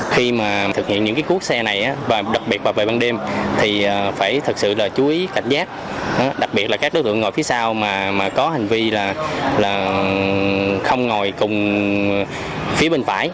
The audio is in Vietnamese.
khi mà thực hiện những cái cuốc xe này đặc biệt vào bờ bàn đêm thì phải thật sự là chú ý cảnh giác đặc biệt là các đối tượng ngồi phía sau mà có hành vi là không ngồi cùng phía bên phải